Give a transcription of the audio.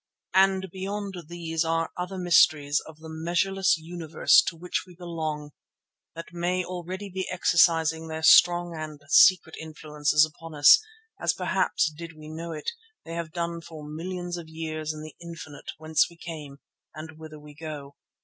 And beyond these are other mysteries of the measureless universe to which we belong, that may already be exercising their strong and secret influences upon us, as perhaps, did we know it, they have done for millions of years in the Infinite whence we came and whither we go."